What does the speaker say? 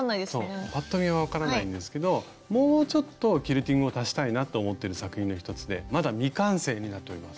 パッと見は分からないんですけどもうちょっとキルティングを足したいなと思ってる作品の一つでまだ未完成になっております。